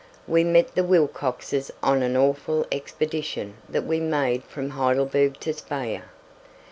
We met the Wilcoxes on an awful expedition that we made from Heidelberg to Speyer.